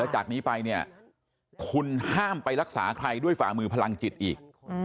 จากนี้ไปเนี่ยคุณห้ามไปรักษาใครด้วยฝ่ามือพลังจิตอีก